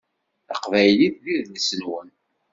Taqbaylit d idles-nwen.